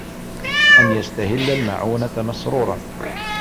أَنْ يَسْتَسْهِلَ الْمَعُونَةَ مَسْرُورًا